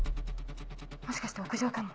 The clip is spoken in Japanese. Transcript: もしかして屋上かも。